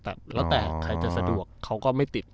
แต่แล้วแต่ใครจะสะดวกเขาก็ไม่ติด